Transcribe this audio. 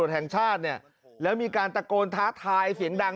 แห่งชาติเนี่ยแล้วมีการตะโกนท้าทายเสียงดัง